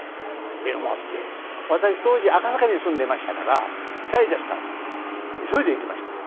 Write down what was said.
私当時赤坂に住んでましたから近いですから急いで行きました。